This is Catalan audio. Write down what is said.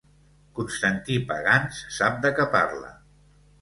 Constantí Pagans sap de què parla.